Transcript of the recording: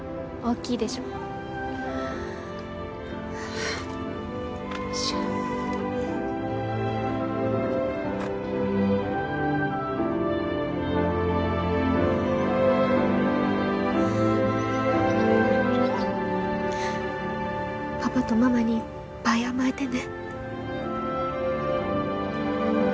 よいしょパパとママにいっぱい甘えてね